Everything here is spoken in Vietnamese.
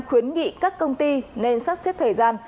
khuyến nghị các công ty nên sắp xếp thời gian